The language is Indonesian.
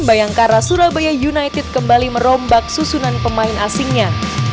bayangkara surabaya united kembali merombak susunan pemain asingnya